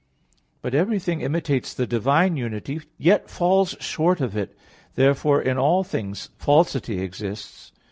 But everything imitates the divine unity yet falls short of it. Therefore in all things falsity exists.